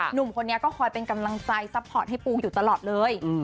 หนุ่มคนนี้ก็คอยเป็นกำลังใจซัพพอร์ตให้ปูอยู่ตลอดเลย